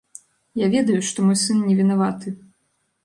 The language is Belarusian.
Я ведаю, што мой сын не вінаваты.